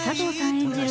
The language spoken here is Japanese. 演じる